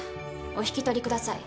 お引き取りください。